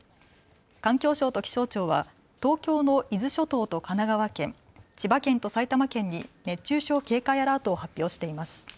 環境省と気象庁は東京の伊豆諸島と神奈川県、千葉県と埼玉県に熱中症警戒アラートを発表しています。